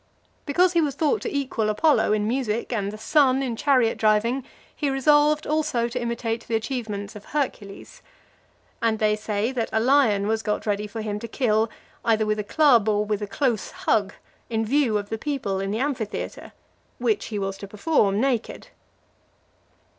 Because he was thought to equal Apollo in music, and the sun in chariot driving, he resolved also to imitate the achievements of Hercules. And they say that a lion was got ready for him to kill, either with a club, or with a close hug, in view of the people in the amphitheatre; which he was to perform naked.